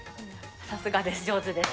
さすがです、上手です。